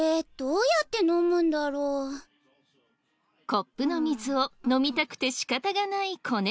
コップの水を飲みたくて仕方がない子猫。